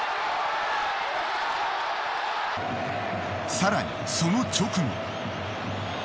さらにその直後。